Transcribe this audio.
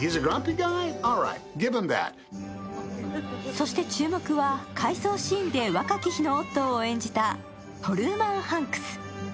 そして注目は回想シーンで若き日のオットーを演じたトルーマン・ハンクス。